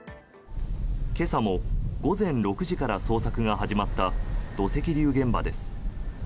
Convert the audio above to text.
今朝も午前６時から捜索が始まった土石流現場です。